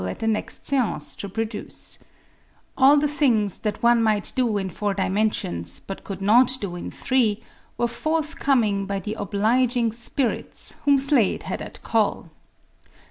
60 EASY LESSONS IN EINSTEIN things that one might do in four dimensions but could not do in three were forthcoming by the obHging spirits jwhom Slade had at call.